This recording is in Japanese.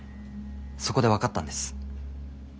そこで分かったんです。